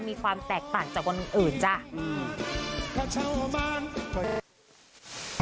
มีความแตกต่างจากคนอื่นจ้า